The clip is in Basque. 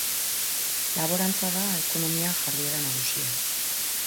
Laborantza da ekonomia jarduera nagusia.